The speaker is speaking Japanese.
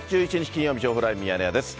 金曜日、情報ライブミヤネ屋です。